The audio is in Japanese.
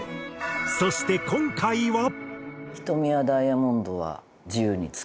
そして今回は。